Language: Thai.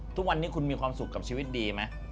ทุกวันนี้คุณมีความสุขกับชีวิตดีไหม